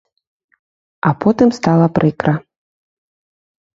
А потым стала прыкра.